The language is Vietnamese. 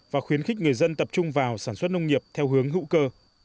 và khuyến khích người dân tập trung vào sản xuất nông nghiệp theo hướng hữu cơ